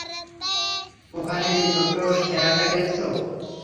ওখানে ওই ছোট্ট শেয়ালটাকে দেখছ?